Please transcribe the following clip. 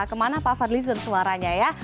kemana pak fadli zon suaranya ya